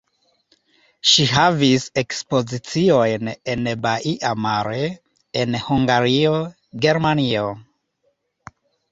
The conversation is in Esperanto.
Ŝi havis ekspoziciojn en Baia Mare; en Hungario, Germanio.